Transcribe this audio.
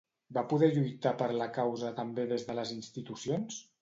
Va poder lluitar per la causa també des de les institucions?